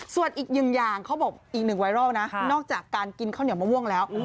ส่วนอีกหนึ่งอย่างเขาบอกอีกหนึ่งไวรัลนะนอกจากการกินข้าวเหนียวมะม่วงแล้ว